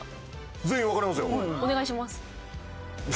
全員わかりますよ。